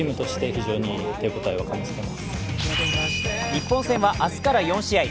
日本戦は明日から４試合。